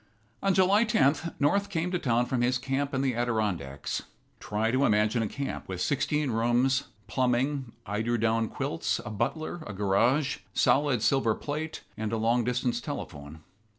On July the 10th, North came to town from his camp in the Adirondacks. Try to imagine a camp with sixteen rooms, plumbing, eiderdown quilts, a butler, a garage, solid silver plate, and a long distance telephone.